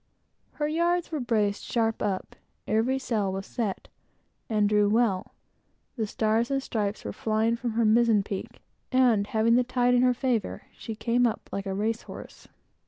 Her yards were braced sharp up; every sail was set, and drew well; the Yankee ensign was flying from her mizen peak; and having the tide in her favor, she came up like a race horse.